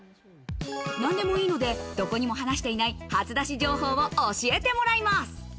何でもいいので、どこにも話していない初出し情報を教えてもらいます。